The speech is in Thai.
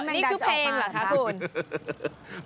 นี่คือเพลงเหรอคะคุณ